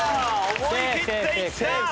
思い切っていった！